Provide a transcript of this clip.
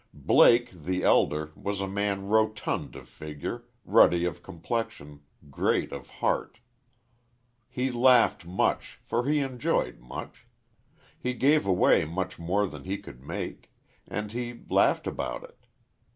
Blake, the elder, was a man rotund of figure, ruddy of complexion, great of heart. He laughed much; for he enjoyed much. He gave away much more than he could make; and he laughed about it.